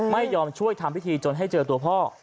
ไม่ยอมช่วยทำพิธีจนให้เจอตัวพ่อ